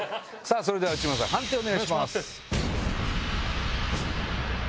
それでは内村さん判定お願いします。